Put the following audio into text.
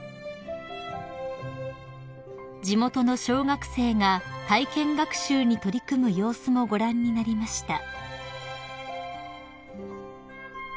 ［地元の小学生が体験学習に取り組む様子もご覧になりました］